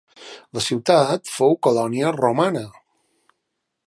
La ciutat fou colònia romana.